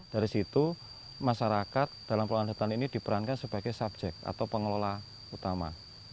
dari situ masyarakat dalam pengelolaan hutan ini diperankan sebagai subjek atau pengelola utama